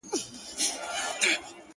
o اوس ولي نه وايي چي ښار نه پرېږدو ـ